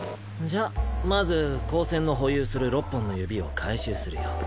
じゃまず高専の保有する６本の指を回収するよ。